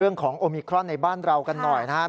เรื่องของโอมิครอนในบ้านเรากันหน่อยนะครับ